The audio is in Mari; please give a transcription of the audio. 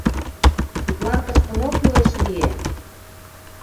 Тудлан тыште мо кӱлеш лие?